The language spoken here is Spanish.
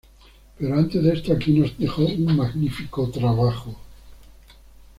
Pero antes de esto aquí nos dejó un magnífico trabajo.